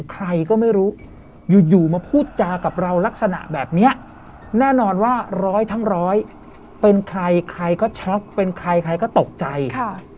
ใครก็ไม่รู้อยู่อยู่มาพูดจากับเราลักษณะแบบเนี้ยแน่นอนว่าร้อยทั้งร้อยเป็นใครใครก็ช็อกเป็นใครใครก็ตกใจค่ะ